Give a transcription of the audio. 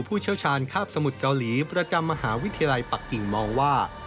เชี่ยวชาญคาบสมุทรเกาหลีประจำมหาวิทยาลัยปักกิ่งมองว่า